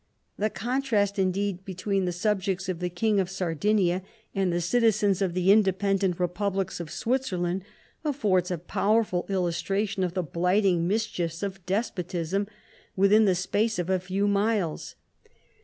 The contrast indeed between the sub jects of the King of Sardinia and the citizens of the independent republics of Switzerland, affords a powerful illus tration of the blighting mischiefs of despotism, within the space of a few miles.